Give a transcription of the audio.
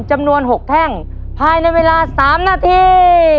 จำนวน๖แท่งภายในเวลา๓นาที